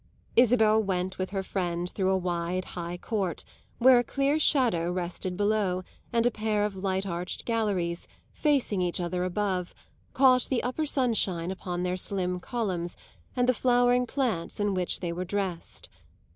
Isabel went with her friend through a wide, high court, where a clear shadow rested below and a pair of light arched galleries, facing each other above, caught the upper sunshine upon their slim columns and the flowering plants in which they were dressed.